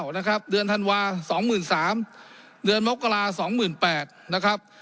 นะครับเดือนธันวา๒๓๐๐เดือนมกรา๒๘๐๐นะครับ